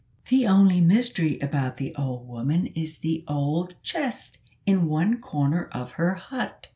The only mystery about the old woman is the old chest in one corner of her hut.